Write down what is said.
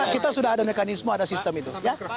kita sudah ada mekanisme ada sistem itu